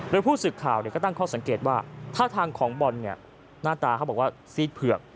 โดยผู้สื่อข่าวก็ตั้งข้อสังเกตว่าท่าทางของบอลเนี่ยหน้าตาเขาบอกว่าซีดเผือก